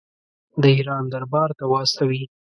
د ایران دربار ته واستوي.